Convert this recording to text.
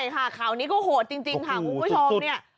ใช่ค่ะข่าวนี้ก็โหดจริงค่ะคุณผู้ชมเนี่ย